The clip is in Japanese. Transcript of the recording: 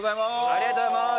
ありがとうございます。